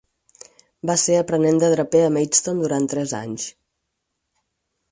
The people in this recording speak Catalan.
Va ser aprenent de draper a Maidstone durant tres anys.